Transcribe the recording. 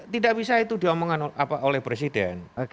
tidak bisa itu diomongkan oleh presiden